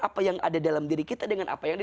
apa yang ada dalam diri kita dengan apa yang ada